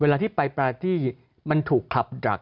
เวลาที่ไปปาราทีมันถูกขับดรัก